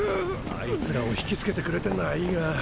あいつらを引きつけてくれてんのぁいいが。